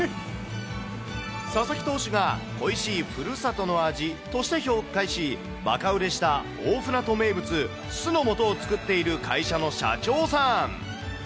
佐々木投手が、恋しいふるさとの味として紹介し、ばか売れした大船渡名物、酢の素を作っている会社の社長さん。